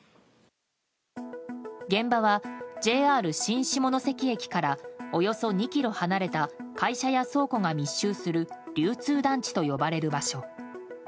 現場は、ＪＲ新下関駅からおよそ２ｋｍ離れた会社や倉庫が密集する流通団地と呼ばれる場所。